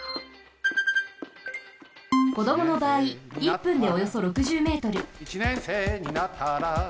こどものばあい１分でおよそ６０ｍ。